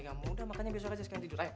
kamu udah makannya besok aja sekian tidur